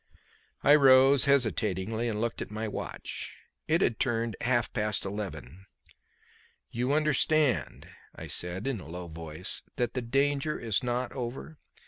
I rose hesitatingly and looked at my watch. It had turned half past eleven. "You understand," I said in a low voice, "that the danger is not over?